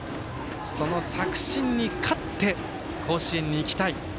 その作新に勝って甲子園に行きたい。